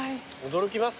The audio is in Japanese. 驚きます。